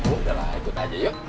udah lah ikut aja yuk